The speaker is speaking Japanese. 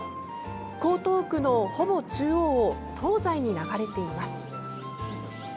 江東区のほぼ中央を東西に流れています。